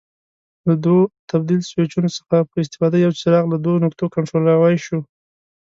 له دوو تبدیل سویچونو څخه په استفاده یو څراغ له دوو نقطو کنټرولولای شي.